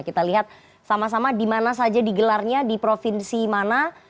kita lihat sama sama di mana saja digelarnya di provinsi mana